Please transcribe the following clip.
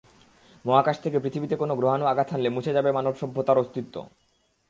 মহাকাশ থেকে পৃথিবীতে কোনো গ্রহাণু আঘাত হানলে মুছে যাবে মানব সভ্যতার অস্তিত্ব।